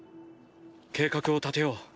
計画を立てよう。